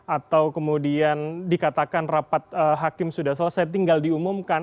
atau kemudian dikatakan rapat hakim sudah selesai tinggal diumumkan